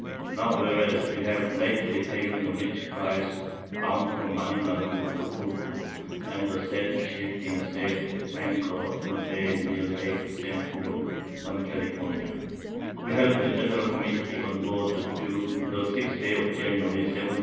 Now, whereas we have lately taken a rich Prize bound from_ Manila to Acapulco, and the said Ship being safe at Anchor in a Bay near Cape St. Luke, on California, We held a general Committee on board the Duke the 6th Day of January 1709 10.